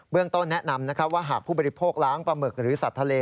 ต้นแนะนำว่าหากผู้บริโภคล้างปลาหมึกหรือสัตว์ทะเล